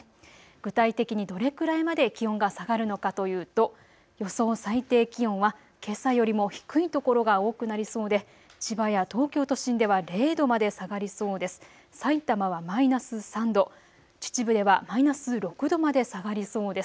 具体的にどれくらいまで気温が下がるのかというと予想最低気温は、けさよりも低い所が多くなりそうで千葉や東京都心では０度まで下がりそうです。